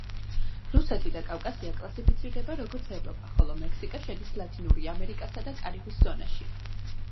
რუსეთი და კავკასია კლასიფიცირდება როგორც ევროპა, ხოლო მექსიკა შედის ლათინური ამერიკასა და კარიბის ზონაში.